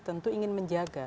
tentu ingin menjaga